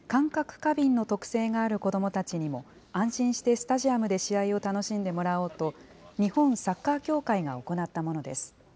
過敏の特性がある子どもたちにも、安心してスタジアムで試合を楽しんでもらおうと、日本サッカー協会が行ったものです。